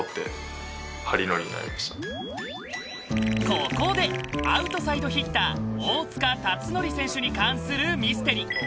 ここでアウトサイドヒッター大塚達宣選手に関するミステリー。